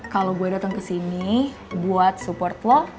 kalo gue dateng kesini buat support lo